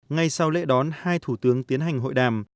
ngay sau lễ đón hai thủ tướng tiến hành hội đàm